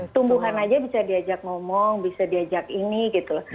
tumbuhan aja bisa diajak ngomong bisa diajak ini gitu loh